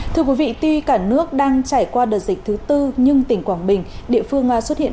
thưa quý vị tuy cả nước đang trải qua đợt dịch thứ tư nhưng tỉnh quảng bình địa phương xuất hiện